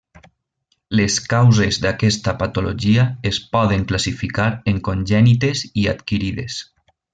Les causes d'aquesta patologia es poden classificar en congènites i adquirides.